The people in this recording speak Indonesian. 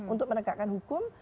untuk penegakan hukum